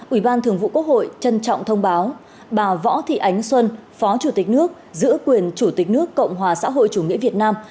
ủy ban thường vụ quốc hội trân trọng thông báo bà võ thị ánh xuân phó chủ tịch nước giữ quyền chủ tịch nước cộng hòa xã hội chủ nghĩa việt nam